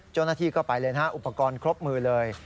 เจ้าหน้าที่ก็ไปเลยนะฮะอุปกรณ์ครบมือเลย